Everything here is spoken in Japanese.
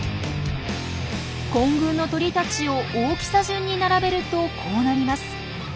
混群の鳥たちを大きさ順に並べるとこうなります。